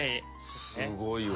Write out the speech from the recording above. すごいわ。